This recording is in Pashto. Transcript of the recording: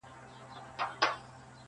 مار هغه دم وو پر پښه باندي چیچلى!.